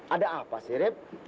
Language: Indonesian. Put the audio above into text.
ada apa sih rip